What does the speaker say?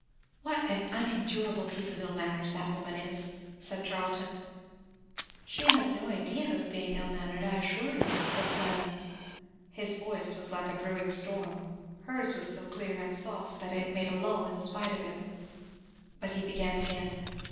"What an unendurable piece of ill manners that woman is!" said Charlton. "She has no idea of being ill mannered, I assure you," said Fleda. His voice was like a brewing storm hers was so clear and soft that it made a lull in spite of him. But he began again.